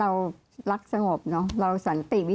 ทำไมรัฐต้องเอาเงินภาษีประชาชน